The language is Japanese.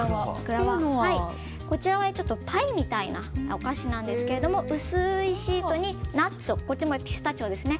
こちらはパイみたいなお菓子なんですが薄いシートにナッツこっちもピスタチオですね